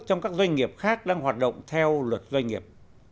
trong các doanh nghiệp khác đang hoạt động theo luật doanh nghiệp